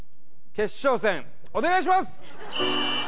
決勝戦お願いします